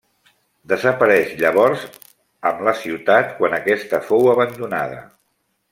Desapareix llavors amb la ciutat quan aquesta fou abandonada.